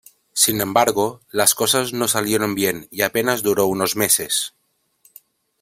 Sin embargo, las cosas no salieron bien y apenas duró unos meses.